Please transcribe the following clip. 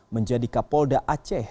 menjadi kapolda aceh